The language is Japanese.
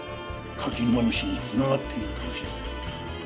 「柿沼の死につながっているかもしれない」